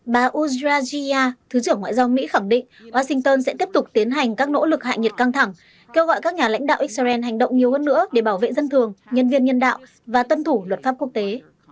bà uzrajiya thứ trưởng ngoại giao mỹ khẳng định washington sẽ tiếp tục tiến hành các nỗ lực hại nhiệt căng thẳng kêu gọi các nhà lãnh đạo israel hành động nhiều hơn nữa để bảo vệ dân thường nhân viên nhân đạo và tuân thủ luật pháp quốc tế